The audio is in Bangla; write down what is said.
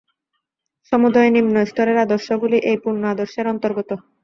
সমুদয় নিম্নস্তরের আদর্শগুলি এই পূর্ণ আদর্শের অন্তর্গত।